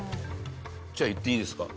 じゃあ言っていいですか？